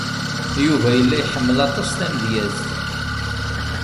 Yuba yella iḥemmel aṭas tamedyazt.